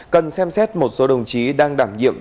cần xem xét một số đồng chí đang đảm nhiệm